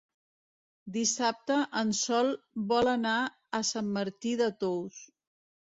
Dissabte en Sol vol anar a Sant Martí de Tous.